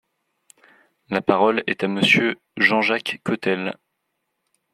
La parole est à Monsieur Jean-Jacques Cottel.